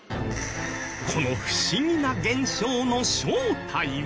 この不思議な現象の正体は？